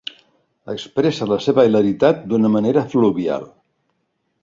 Expressa la seva hilaritat d'una manera fluvial.